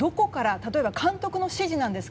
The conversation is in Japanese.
例えば、監督の指示なんですか？